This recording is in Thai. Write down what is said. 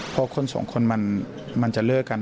เพราะคน๒คนมันจะเลิกกัน